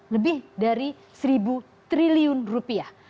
lebih dari seribu triliun rupiah